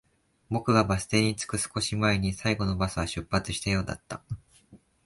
僕がバス停に着く少し前に、最後のバスは出発したようだった